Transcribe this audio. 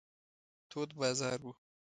تود بازار و.